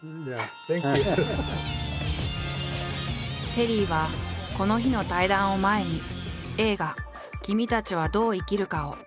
テリーはこの日の対談を前に映画「君たちはどう生きるか」を見てきたという。